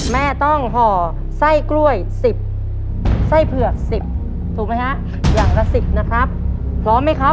แม่ต้องห่อไส้กล้วย๑๐ไส้เผือก๑๐ถูกไหมฮะอย่างละ๑๐นะครับพร้อมไหมครับ